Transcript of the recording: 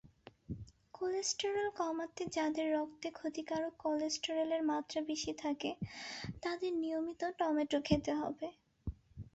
Cholesterol কমাতেযাদের রক্তে ক্ষতিকারক কোলেস্টেরলের মাত্রা বেশি থাকে, তাদের নিয়মিত টমেটো খেতে হবে।